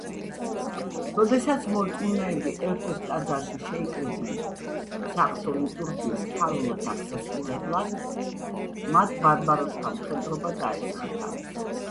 როდესაც მორწმუნეები ერთ-ერთ ტაძარში შეიკრიბნენ საღვთო ლიტურგიის ფარულად აღსასრულებლად, მათ ბარბაროსთა მხედრობა დაესხა თავს.